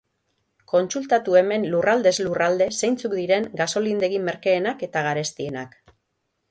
Kontsultatu hemen lurraldez lurralde zeintzuk diren gasolindegi merkeenak eta garestienak.